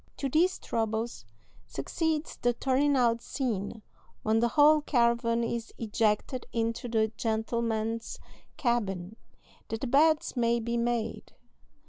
To these troubles succeeds the turning out scene, when the whole caravan is ejected into the gentlemen's cabin, that the beds may be made.